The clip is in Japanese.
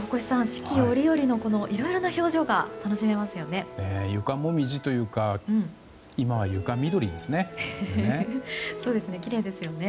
四季折々のいろいろな表情が床もみじというか今は床みどりですね。